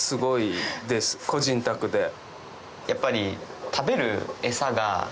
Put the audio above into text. やっぱり。